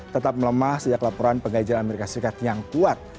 tetap melemah sejak laporan pengajar as yang kuat